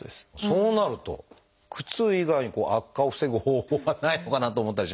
そうなると靴以外に悪化を防ぐ方法はないのかなと思ったりしますが。